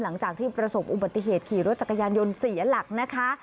หลังจากที่ประสบอุบัติเหตุขี่รถจักรยานยนต์เสียหลักนะคะ